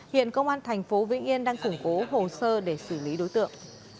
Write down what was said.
hiện công an tp hcm đang củng cố hồ sơ để xử lý đối tượng